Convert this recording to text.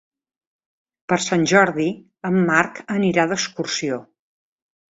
Per Sant Jordi en Marc anirà d'excursió.